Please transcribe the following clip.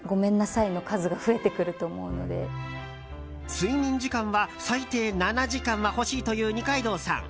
睡眠時間は最低７時間は欲しいという二階堂さん。